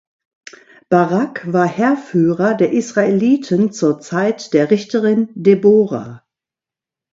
Barak war Heerführer der Israeliten zur Zeit der Richterin Debora.